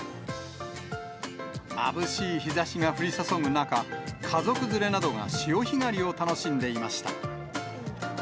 まぶしい日ざしが降り注ぐ中、家族連れなどが潮干狩りを楽しんでいました。